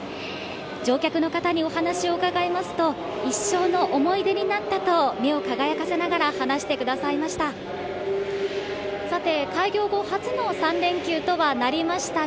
乗客の方にお話を伺いますと、一生の思い出になったと、目を輝かせながら話してくださいました。